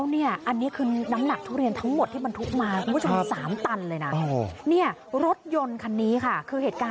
นี่เหตุระทึกจริงนะฮะ